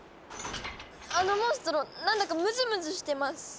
あのモンストロ何だかムズムズしてます。